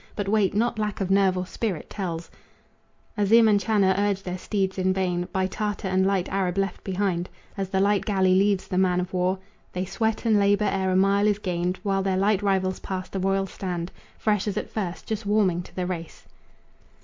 But weight, not lack of nerve or spirit, tells; Azim and Channa urge their steeds in vain, By Tartar and light Arab left behind As the light galley leaves the man of war; They sweat and labor ere a mile is gained, While their light rivals pass the royal stand Fresh as at first, just warming to the race.